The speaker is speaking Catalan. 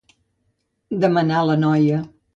Demanà la noia.